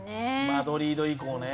マドリード以降ね。